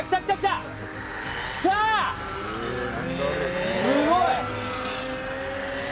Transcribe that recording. すごい！